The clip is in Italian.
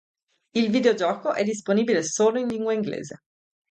Il videogioco è disponibile solo in lingua inglese.